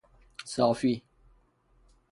صافی